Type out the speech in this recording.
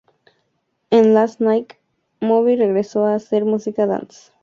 En "Last Night", Moby regresó a hacer música dance.